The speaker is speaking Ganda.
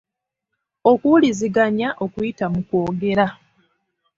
Okuwuliziganya okuyita mu kwogera.